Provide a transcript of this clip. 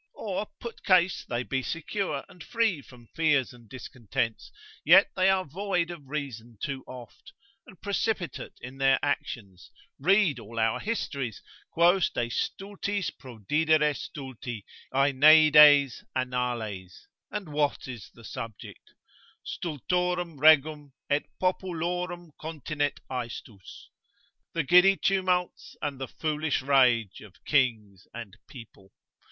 Or put case they be secure and free from fears and discontents, yet they are void of reason too oft, and precipitate in their actions, read all our histories, quos de stultis prodidere stulti, Iliades, Aeneides, Annales, and what is the subject? Stultorum regum, et populorum continet aestus. The giddy tumults and the foolish rage Of kings and people.